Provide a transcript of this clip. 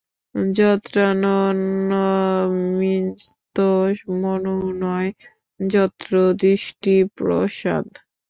যত্রান্যোন্যস্মিতমনুনয় যত্র দৃষ্টিঃ প্রসাদঃ।